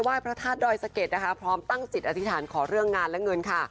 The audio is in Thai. พระธาตุดอยสะเก็ดนะคะพร้อมตั้งจิตอธิษฐานขอเรื่องงานและเงินค่ะ